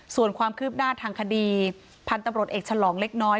ส่วนความคืบหน้าทางคดีพันธุ์ตำรวจเอกฉลองเล็กน้อย